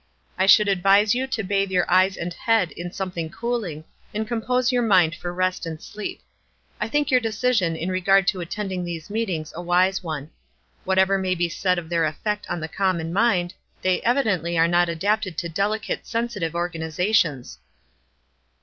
I should advise you to bathe your eyes and head in something cooling, and compose }'Our mind for rest and sleep, I think your decision in regard to attending these meet ings a wise one. Whatever may be said of their effect on the common mind, they evidenly are not adapted to delicate, sensitive organizations."